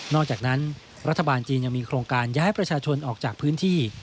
อกจากนั้นรัฐบาลจีนยังมีโครงการย้ายประชาชนออกจากพื้นที่